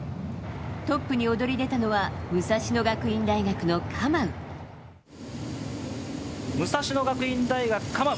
トップに躍り出たのは武蔵野学院大学のカマウ。